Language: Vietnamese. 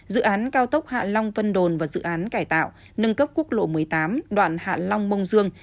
dự án cao tốc hạ long vân đồn và dự án cải tạo nâng cấp quốc lộ một mươi tám đoạn hạ long mông dương